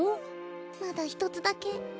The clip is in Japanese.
まだひとつだけ。